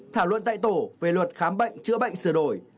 thảo luận tại tổ về luật khám bệnh chữa bệnh sửa đổi